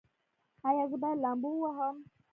ایا زه باید لامبو ووهم؟